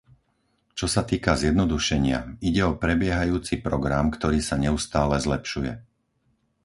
Čo sa týka zjednodušenia, ide o prebiehajúci program, ktorý sa neustále zlepšuje.